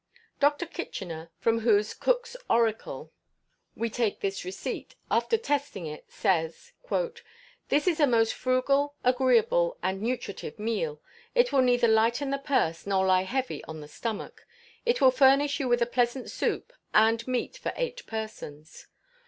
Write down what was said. Dr. Kitchiner, from whose "Cook's Oracle," we take this receipt, after testing it, says: "This is a most frugal, agreeable, and nutritive meal. It will neither lighten the purse nor lie heavy on the stomach. It will furnish you with a pleasant soup, and meat for eight persons.